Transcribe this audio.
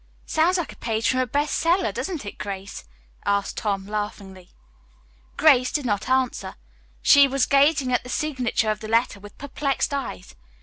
"Sounds like a page from a best seller, doesn't it, Grace?" asked Tom laughingly. Grace did not answer. She was gazing at the signature of the letter with perplexed eyes.